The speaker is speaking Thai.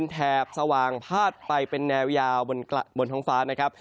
แถบสว่างพาดไปเป็นแนวยาวบนท้องฟ้านะครับ